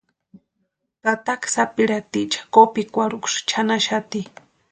Tataka sapirhaticha kopikwarhuksï chʼanaxati.